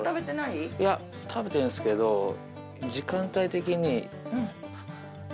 いや食べてるんですけど時間帯的に。